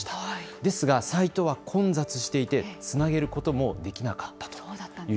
ですがサイトは混雑していて、つなげることもできなかった。